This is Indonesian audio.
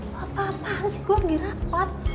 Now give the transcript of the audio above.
mau apa apaan sih gue lagi rapat